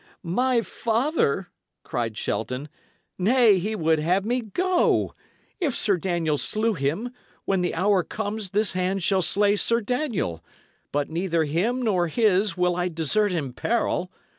"My father?" cried Shelton. "Nay, he would have me go! If Sir Daniel slew him, when the hour comes this hand shall slay Sir Daniel; but neither him nor his will I desert in peril.